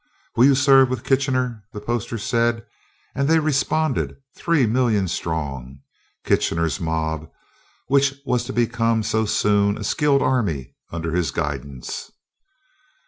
"Will you serve with Kitchener?" the posters said. And they responded, three million strong "Kitchener's Mob," which was to become so soon a skilled army under his guidance.